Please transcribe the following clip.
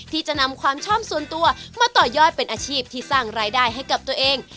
ที่จะนำความชอบส่วนตัวมาต่อยอดเป็นอาชีพที่สร้างรายได้ให้กับตัวเอง